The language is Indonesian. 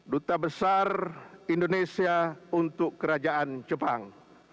duta besar indonesia untuk kerajaan jepang